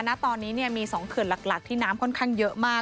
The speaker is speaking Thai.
ณตอนนี้มี๒เขื่อนหลักที่น้ำค่อนข้างเยอะมาก